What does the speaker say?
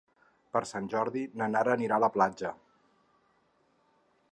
Per Sant Jordi na Nara anirà a la platja.